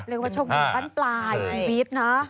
ร่วงชมมปันปลายในชีวิตนะ